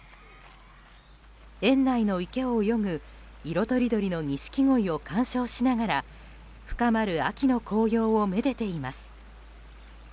園内の池を泳ぐ色とりどりのニシキゴイを鑑賞しながら深まる秋の紅葉をめでています。